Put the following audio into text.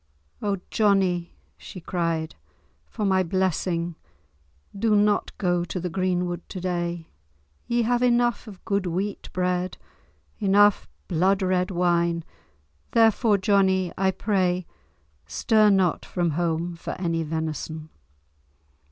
"O Johnie!" she cried, "for my blessing, do not go to the greenwood to day. Ye have enough of good wheat bread, enough blood red wine, therefore, Johnie, I pray, stir not from home for any venison."